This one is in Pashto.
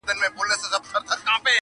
پر تندیو به د پېغلو اوربل خپور وي!